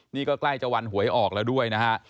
นี่ก็ใกล้จะวันหวยออกแล้วด้วยนะฮะ